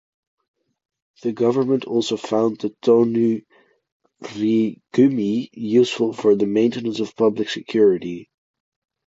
The government also found the "tonarigumi" useful for the maintenance of public security.